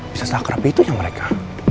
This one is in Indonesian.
bisa salah kerap itu yang mereka